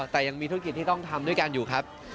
แต่ยังมีธุรกิจที่ต้องทำด้วยกันอยู่ครับ